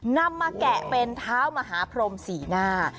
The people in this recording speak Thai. นำมาแกะเป็นท้าวมหาพรมศรีนา